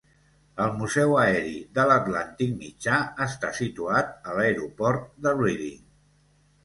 El Museu Aeri de l'Atlàntic Mitjà està situat a l'aeroport de Reading.